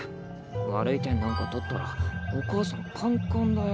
悪い点なんか取ったらお母さんカンカンだよ。